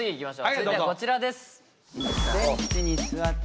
続いてはこちらです。